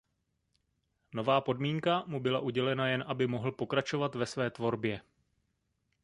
Nová podmínka mu byla udělena jen aby mohl pokračovat ve své tvorbě.